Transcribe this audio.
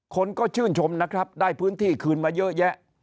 คนก็ชื่นชมนะครับได้พื้นที่คืนมาเยอะแยะ